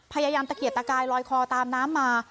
พยายามตะเกียจตะกายลอยคอตามน้ำมา